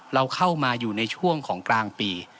เราเข้ามาอยู่ในช่วงของกลางปี